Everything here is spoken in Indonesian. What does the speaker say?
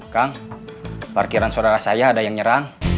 kang parkiran saudara saya ada yang nyerang